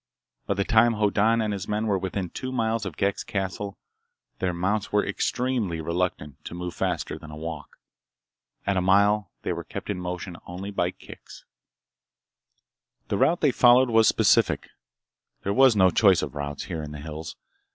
By the time Hoddan and his men were within two miles of Ghek's castle, their mounts were extremely reluctant to move faster than a walk. At a mile, they were kept in motion only by kicks. The route they followed was specific. There was no choice of routes, here in the hills.